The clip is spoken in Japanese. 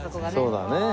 そうだね。